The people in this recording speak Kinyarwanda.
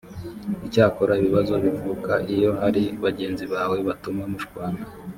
icyakora ibibazo bivuka iyo hari bagenzi bawe batuma mushwana